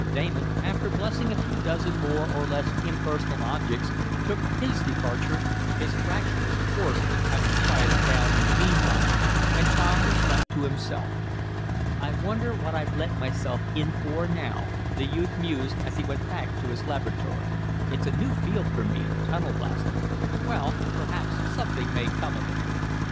Damon, after blessing a few dozen more or less impersonal objects, took his departure, his fractious horse having quieted down in the meanwhile, and Tom was left to himself. "I wonder what I've let myself in for now," the youth mused, as he went back to his laboratory. "It's a new field for me tunnel blasting. Well, perhaps something may come of it."